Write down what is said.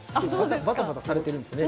バタバタされてるんですね。